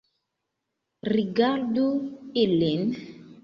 Rigardu ilin